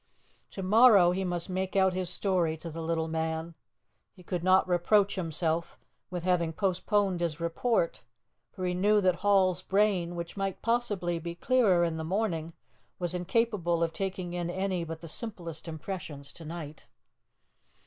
To morrow he must make out his story to the little man. He could not reproach himself with having postponed his report, for he knew that Hall's brain, which might possibly be clearer in the morning, was incapable of taking in any but the simplest impressions to night.